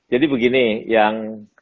jadi begini yang